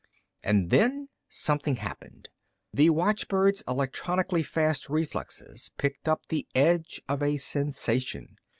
And then something happened! The watchbird's electronically fast reflexes picked up the edge of a sensation.